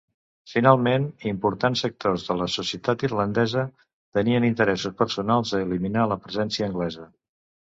Finalment, importants sectors de la societat irlandesa tenien interessos personals a eliminar la presència anglesa.